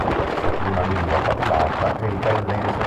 La sua prima lingua parlata è il gallese.